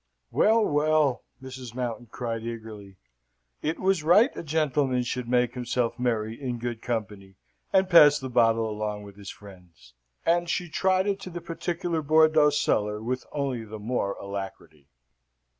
"Well, well!" Mrs. Mountain cried eagerly; "it was right a gentleman should make himself merry in good company, and pass the bottle along with his friends." And she trotted to the particular Bordeaux cellar with only the more alacrity.